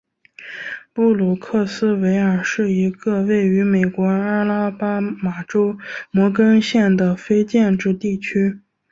布鲁克斯维尔是一个位于美国阿拉巴马州摩根县的非建制地区。